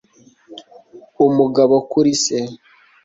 umugabo kuri se